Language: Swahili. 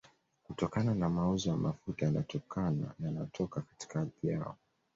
kutokana na mauzo ya mafuta yanayotoka katika ardhi yao